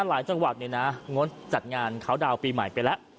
หลายจังหวัดงดจัดงานเขาดาวน์ปีใหม่ไปแล้ว